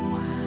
kamu mana idan